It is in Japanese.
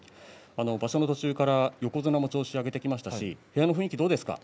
場所の途中から横綱も調子が上げてきましたし部屋の雰囲気はどうですか？